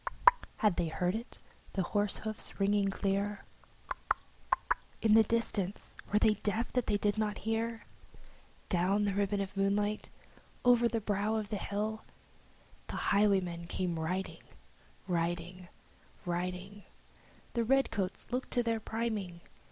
Tlot tlot, tlot tlot! Had they heard it? The horse hooves, ringing clear; Tlot tlot, tlot tlot, in the distance! Were they deaf that they did not hear? Down the ribbon of moonlight, over the brow of the hill, The highwayman came riding Riding riding The redcoats looked to their priming!